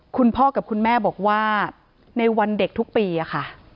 คุณพ่อกับคุณแม่บอกว่าในวันเด็กทุกปีค่ะ